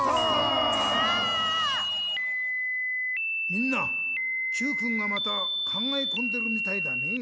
みんなＱくんがまたかんがえこんでるみたいだねぇ。